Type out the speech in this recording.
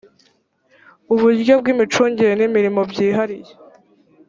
uburyo bw imicungire n imirimo byihariye